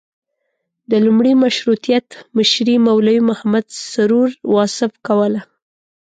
د لومړي مشروطیت مشري مولوي محمد سرور واصف کوله.